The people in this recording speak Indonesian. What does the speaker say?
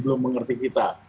belum mengerti kita